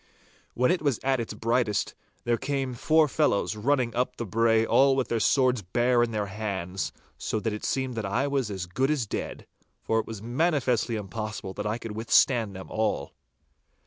When it was at its brightest, there came four fellows running up the brae all with their swords bare in their hands, so that it seemed that I was as good as dead, for it was manifestly impossible that I could withstand them all.